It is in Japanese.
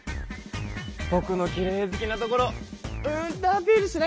ぼくのきれい好きなところうんとアピールしなきゃ！